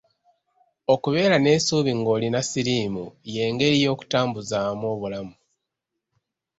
Okubeera n’essuubi ng’olina siriimu y’engeri y’okutambuzaamu obulamu.